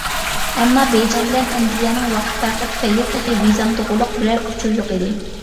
ئەمما بېيجىڭ بىلەن ئەنگلىيەنىڭ ۋاقىت پەرقى تۈپەيلى تېخى ۋىزام توغرىلىق بىرەر ئۇچۇر يوق ئىدى.